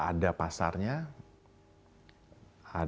ada masyarakat yang memiliki rumah